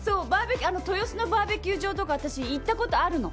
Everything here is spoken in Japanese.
豊洲のバーベキュー場とか私、行ったことあるの。